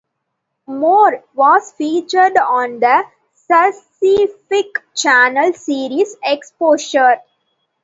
"More" was featured on the Sci-Fi Channel series "Exposure".